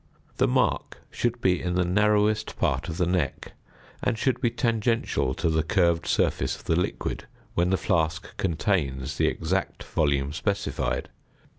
The mark should be in the narrowest part of the neck, and should be tangential to the curved surface of the liquid when the flask contains the exact volume specified.